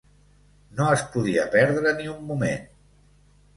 No es podia perdre ni un moment.